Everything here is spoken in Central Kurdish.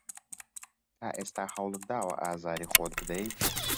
تا ئێستا هەوڵت داوە ئازاری خۆت بدەیت؟